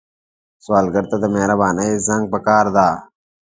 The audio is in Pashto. سوالګر ته د مهرباني زنګ پکار دی